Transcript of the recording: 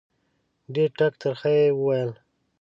ډېر ټک ترخه یې وویل